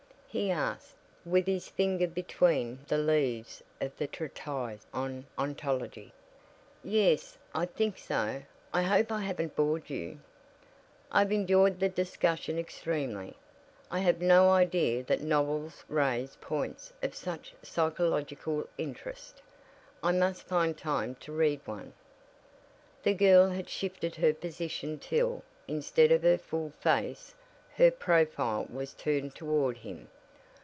he asked, with his finger between the leaves of the treatise on ontology. "Yes, I think so. I hope I haven't bored you?" "I've enjoyed the discussion extremely. I had no idea that novels raised points of such psychological interest. I must find time to read one." The girl had shifted her position till, instead of her full face, her profile was turned toward him.